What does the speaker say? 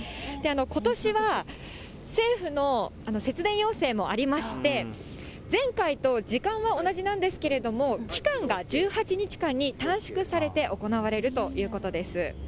ことしは政府の節電要請もありまして、前回と時間は同じなんですけれども、期間が１８日間に短縮されて行われるということです。